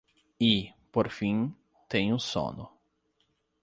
E, por fim, tenho sono